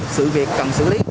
sự việc cần xử lý